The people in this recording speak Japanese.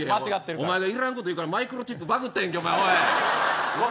お前がいらんこと言うからマイクロチップバグったやんけ。